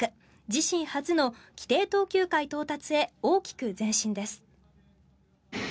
自身初の規定投球回到達へ大きく前進です。